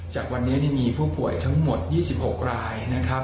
จากวันนี้มีผู้ป่วยทั้งหมด๒๖รายนะครับ